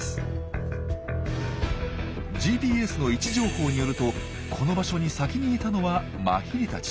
ＧＰＳの位置情報によるとこの場所に先にいたのはマヒリたち。